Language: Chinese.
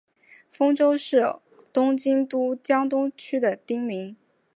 丰洲是东京都江东区的町名。